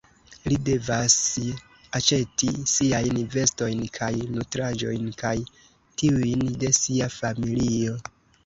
Li devasj aĉeti siajn vestojn kaj nutraĵojn kaj tiujn de sia familio.